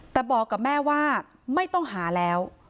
แต่บอกกับแม่ว่าไม่ต้องหาแล้ว